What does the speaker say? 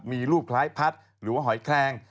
มีรูปคล้ายพัดหรือว่าหอยแคลง